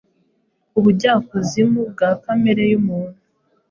ubujyakuzimu bwa kamere yumuntu